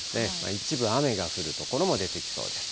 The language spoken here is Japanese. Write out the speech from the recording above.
一部雨が降る所も出てきそうです。